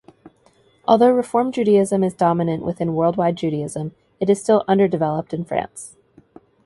Although Reform Judaism is dominant within worldwide Judaism, it is still underdeveloped in France.